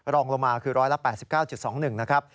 รองลงมาคือ๑๘๙๒๑นะครับ